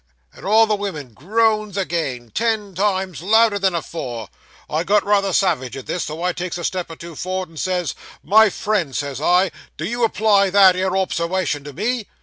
and all the women groans again, ten times louder than afore. I got rather savage at this, so I takes a step or two for'ard and says, "My friend," says I, "did you apply that 'ere obserwation to me?"